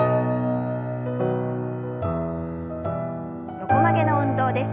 横曲げの運動です。